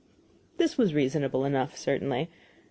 This was reasonable enough, certainly.